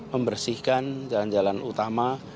membersihkan jalan jalan utama